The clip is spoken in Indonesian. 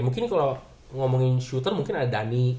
mungkin kalau ngomongin shooter mungkin ada dhani